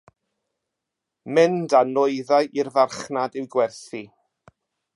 Mynd â nwyddau i'r farchnad i'w gwerthu.